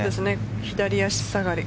左足下がり。